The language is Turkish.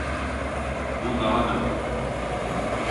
Bu daha da kötü.